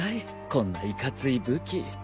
こんないかつい武器。